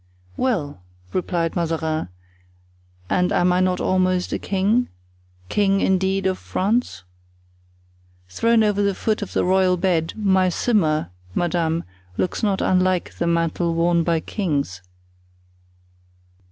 "Well," replied Mazarin, "and am I not almost a king—king, indeed, of France? Thrown over the foot of the royal bed, my simar, madame, looks not unlike the mantle worn by kings."